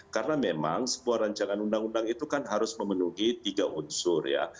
karena memang sebuah rancangan undang undang itu kan harus memenuhi tiga unsur ya